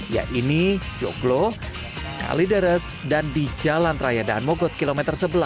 yaitu joglo kalideres dan di jalan raya daan mogot kilometer sebelas